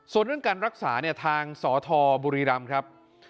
ส่วนเรื่องการรักษาเนี่ยทางสธบุรีรำครับ